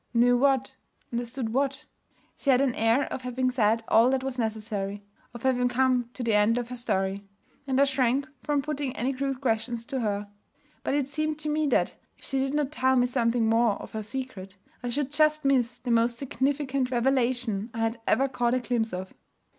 Knew what? Understood what? She had an air of having said all that was necessary, of having come to the end of her story; and I shrank from putting any crude questions to her. But it seemed to me that, if she did not tell me something more of her secret, I should just miss the most significant revelation I had ever caught a glimpse of.